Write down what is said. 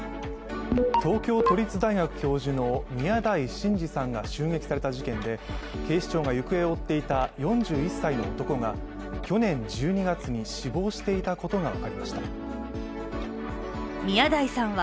東京都立大学教授の宮台真司さんが襲撃された事件で、警視庁が行方を追っていた４１歳の男が去年１２月に死亡していたことが分かりました。